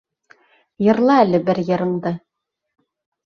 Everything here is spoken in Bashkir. Йырла әле бер йырыңды.